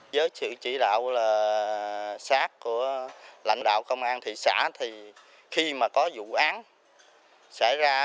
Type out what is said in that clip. với sự chỉ đạo sát của lãnh đạo công an thị xã thì khi mà có vụ án xảy ra